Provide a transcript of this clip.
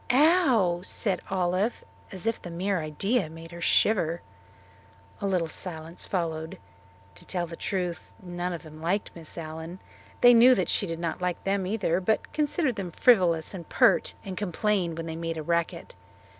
"Ow!" said Olive, as if the mere idea made her shiver. A little silence followed. To tell the truth, none of them liked Miss Allen. They knew that she did not like them either, but considered them frivolous and pert, and complained when they made a racket.